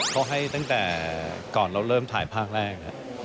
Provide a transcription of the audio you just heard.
เขาให้ตั้งแต่ก่อนเราเริ่มถ่ายภาคแรก